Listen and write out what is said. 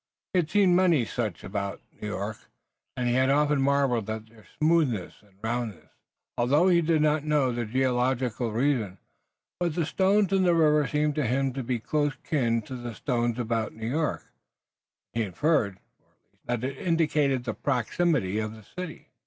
He had seen many such about New York, and he had often marveled at their smoothness and roundness, although he did not yet know the geological reason. But the stones in the river seemed to him to be close kin to the stones about New York, and he inferred, or at least he hoped, that it indicated the proximity of the city.